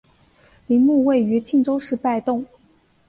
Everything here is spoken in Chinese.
陵墓位于庆州市拜洞。